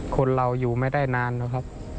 คนเราอยู่ไม่ได้นานนะครับ